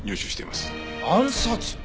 暗殺！？